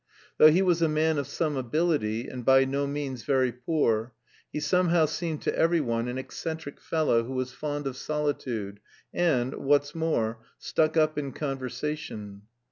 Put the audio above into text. Though he was a man of some ability, and by no means very poor, he somehow seemed to every one an eccentric fellow who was fond of solitude, and, what's more, "stuck up in conversation."